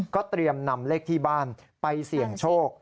เตรียมนำเลขที่บ้านไปเสี่ยงโชค